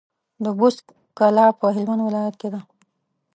د بُست کلا په هلمند ولايت کي ده